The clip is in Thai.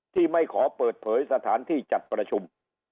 ที่ไม่ขอเปิดเผยสถานที่จัดประชุม